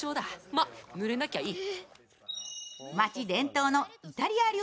まっ、ぬれなきゃいい。